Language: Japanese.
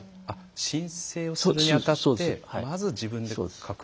申請をするにあたってまず自分で書く。